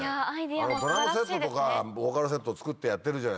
ドラムセットとかボーカルセット作ってやってるじゃないですか。